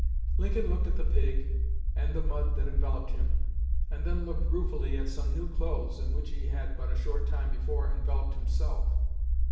Lincoln looked at the pig and the mud that enveloped him, and then looked ruefully at some new clothes in which he had but a short time before enveloped himself.